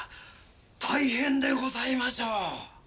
大変でございましょう。